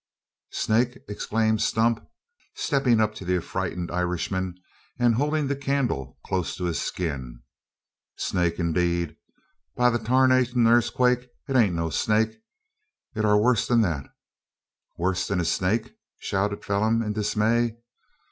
"Snake!" exclaimed Stump, stepping up to the affrighted Irishman, and holding the candle close to his skin. "Snake i'deed! By the 'tarnal airthquake, it air no snake! It air wuss than that!" "Worse than a snake?" shouted Phelim in dismay.